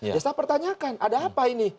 kita pertanyakan ada apa ini